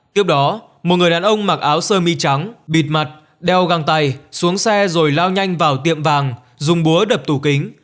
tiếp đó một người đàn ông mặc áo sơ mi trắng bịt mặt đeo găng tay xuống xe rồi lao nhanh vào tiệm vàng dùng búa đập tủ kính